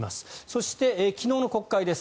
そして、昨日の国会です。